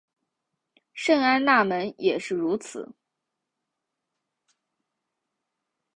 圣安娜门也是如此。